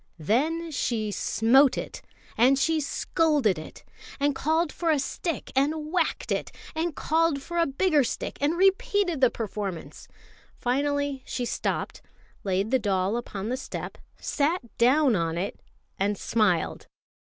Then she smote it, and she scolded it, and called for a stick and whacked it, and called for a bigger stick and repeated the performance. Finally she stopped, laid the doll upon the step, sat down on it, and smiled.